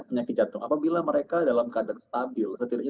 penyakit jantung apabila mereka dalam keadaan stabil setidaknya